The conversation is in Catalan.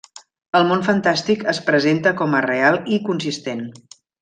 El món fantàstic es presenta com a real i consistent.